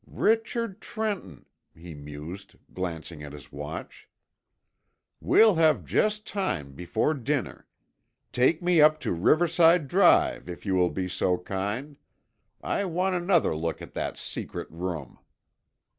"Richard Trenton," he mused, glancing at his watch. "We'll just have time before dinner. Take me up to Riverside Drive, if you will be so kind. I want another look at that secret room."